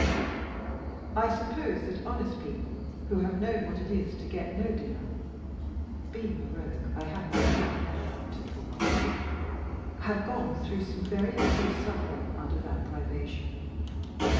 I suppose that honest people, who have known what it is to get no dinner (being a Rogue, I have myself never wanted for one), have gone through some very acute suffering under that privation.